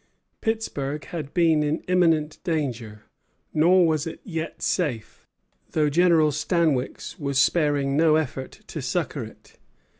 Pittsburg had been in imminent danger; nor was it yet safe, though General Stanwix was sparing no effort to succor it.